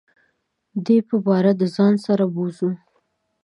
دی به باره دځان سره بوزو .